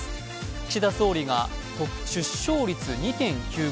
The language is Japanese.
岸田総理が出生率２．９５